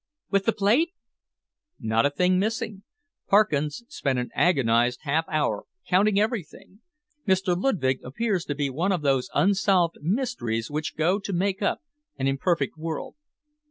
"With the plate?" "Not a thing missing. Parkins spent an agonised half hour, counting everything. Mr. Ludwig appears to be one of those unsolved mysteries which go to make up an imperfect world."